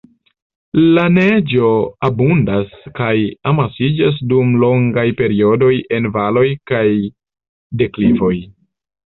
La neĝo abundas kaj amasiĝas dum longaj periodoj en valoj kaj deklivoj.